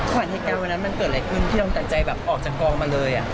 ขวัญในการวันนั้นมันเกิดอะไรขึ้นที่ต้องตัดใจแบบออกจากกล้องมาเลยอะ